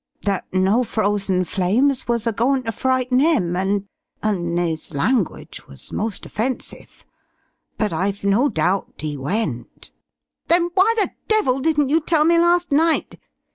That no Frozen Flames was a goin' ter frighten 'im, an' an' 'is language was most offensive. But I've no doubt 'e went." "Then why the devil didn't you tell me last night?"